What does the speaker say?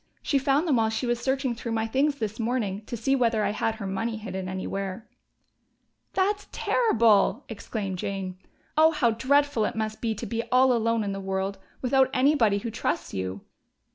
She found them while she was searching through my things this morning, to see whether I had her money hidden anywhere." "That's terrible!" exclaimed Jane. "Oh, how dreadful it must be to be all alone in the world, without anybody who trusts you!"